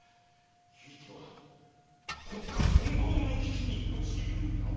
ひいては国家存亡の危機に陥るやも！